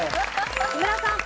木村さん。